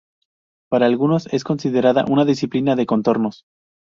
Para algunos es considerada una disciplina de contornos.